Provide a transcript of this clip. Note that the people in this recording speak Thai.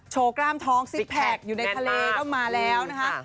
กล้ามท้องซิกแพคอยู่ในทะเลก็มาแล้วนะคะ